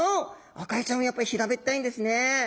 アカエイちゃんはやっぱり平べったいんですね。